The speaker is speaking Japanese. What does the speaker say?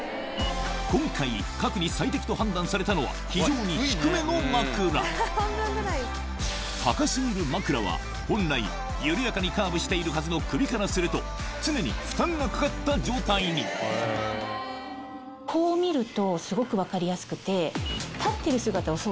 今回賀来に最適と判断されたのは非常に低めの枕高過ぎる枕は本来緩やかにカーブしているはずの首からすると常に負担がかかった状態にこう見るとすごく分かりやすくて。